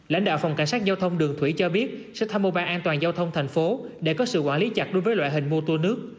lãnh đạo phòng cảnh sát giao thông đường thủy cho biết sẽ tham mô ban an toàn giao thông thành phố để có sự quản lý chặt đối với loại hình mô tô nước